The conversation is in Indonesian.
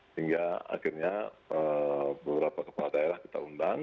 sehingga akhirnya beberapa kepala daerah kita undang